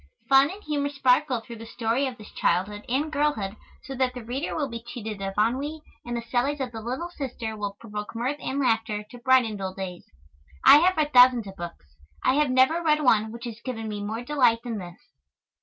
Fun and humor sparkle through the story of this childhood and girlhood so that the reader will be cheated of ennui, and the sallies of the little sister will provoke mirth and laughter to brighten dull days. I have read thousands of books. I have never read one which has given me more delight than this.